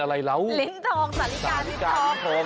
ลิ้นทองสาลิกาลิ้นทอง